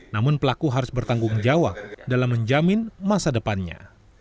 namun pelaku harus bertanggung jawab dalam menjamin masa depannya